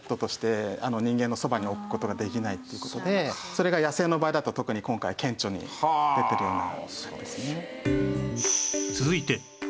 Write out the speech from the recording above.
それが野生の場合だと特に今回は顕著に出てるような。